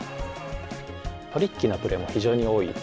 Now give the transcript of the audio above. トリッキーなプレーも非常に多い。